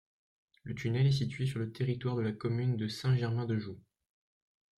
Le tunnel est situé sur le territoire de la commune de Saint-Germain-de-Joux.